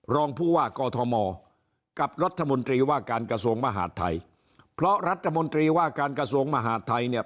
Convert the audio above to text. รองผู้ว่ากอทมกับรัฐมนตรีว่าการกระทรวงมหาดไทยเพราะรัฐมนตรีว่าการกระทรวงมหาดไทยเนี่ย